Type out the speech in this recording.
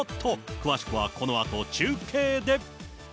詳しくはこのあと中継で。